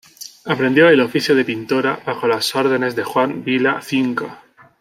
Aprendió el oficio de pintora bajo las órdenes de Juan Vila Cinca.